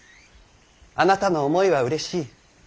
あなたの思いはうれしい。